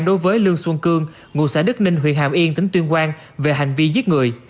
đối với lương xuân cương ngụ xã đức ninh huyện hàm yên tỉnh tuyên quang về hành vi giết người